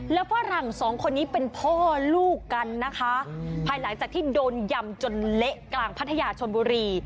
แล้วฝรั่งสองคนนี้เป็นพ่อลูกกันนะคะภายหลังจากที่โดนยำจนเละกลางพัทยาชนบุรี